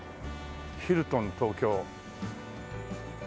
ヒルトン東京。